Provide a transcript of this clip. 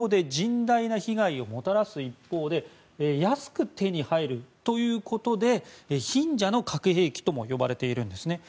これは少量で甚大な被害をもたらす一方で安く手に入るということで貧者の核兵器とも呼ばれているんです。